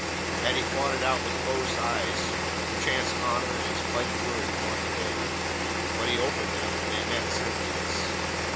Had he fought it out with closed eyes, perchance honour and his plighted word had won the day; but he opened them, and they met Cynthia's.